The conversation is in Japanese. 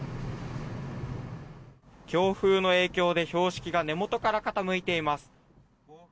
強風の影響で標識が根元から傾いています。